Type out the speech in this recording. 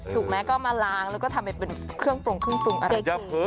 ถูกไหมก็มาล้างแล้วก็ทำเป็นเครื่องปรุงเครื่องปรุงอะไรกิน